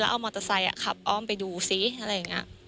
เอามอเตอร์ไซค์ขับอ้อมไปดูซิอะไรอย่างนี้